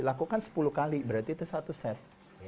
lakukan sepuluh kali berarti itu satu set